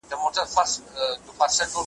نه تر منځ به د وګړو دښمني وای `